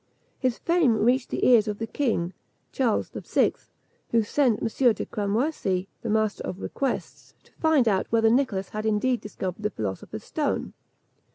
His fame reached the ears of the king, Charles VI., who sent M. de Cramoisi, the Master of Requests, to find out whether Nicholas had indeed discovered the philosopher's stone.